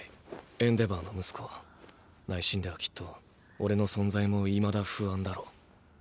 エンデヴァーの息子内心ではきっと俺の存在も未だ不安だろう。